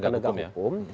penyidik penegak hukum